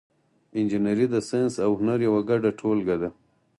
انجنیری د ساینس او هنر یوه ګډه ټولګه ده.